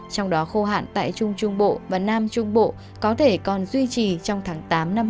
trong đó khô hạn tại trung trung bộ và nam trung bộ có thể còn duy trì trong tháng tám năm hai nghìn hai mươi